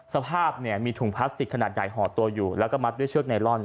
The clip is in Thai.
สภาพเนี่ยมีถุงพลาสติกขนาดใหญ่ห่อตัวอยู่แล้วก็มัดด้วยเชือกไนลอน